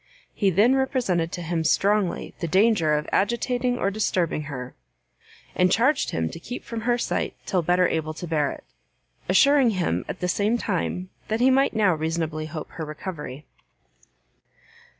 He then represented to him strongly the danger of agitating or disturbing her, and charged him to keep from her sight till better able to bear it; assuring him at the same time that he might now reasonably hope her recovery.